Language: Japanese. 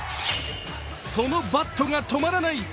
そのバットが止まらない！